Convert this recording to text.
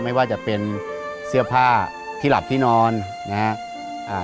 ไม่ว่าจะเป็นเสื้อผ้าที่หลับที่นอนนะฮะอ่า